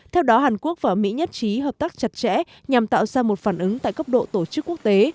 theo đó hàn quốc và mỹ nhất trí hợp tác chặt chẽ nhằm tạo ra một phản ứng tại cấp độ tổ chức quốc tế